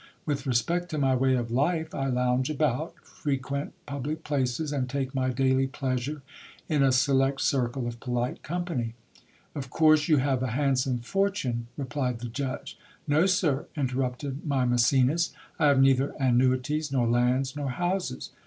With respect to my way of life, I lounge about, frequent public places, and take my daily pleasure in a select circle of polite company. Of course you have a handsome fortune ! replied the judge. No, sir, interrupted my Mecenas, I have neither annuities, nor lands, nor houses.